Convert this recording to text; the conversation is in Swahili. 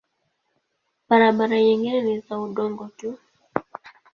Barabara nyingine ni za udongo tu.